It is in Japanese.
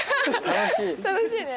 楽しいね！